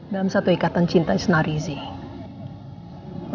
dalam satu ikatan cinta is not easy